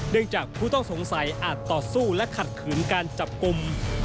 จากผู้ต้องสงสัยอาจต่อสู้และขัดขืนการจับกลุ่ม